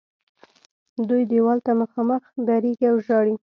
دوی دیوال ته مخامخ درېږي او ژاړي.